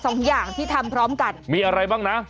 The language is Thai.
สองอย่างที่ทำพร้อมกันมีอะไรบ้างนะ